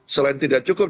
selain tidak cukup